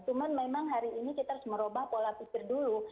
cuman memang hari ini kita harus merubah pola pikir dulu